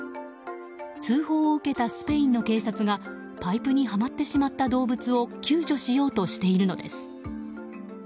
通報を受けたスペインの警察がパイプにはまってしまった動物を救助しようとしているのです。